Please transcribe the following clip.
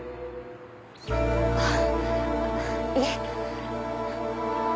あっいえ。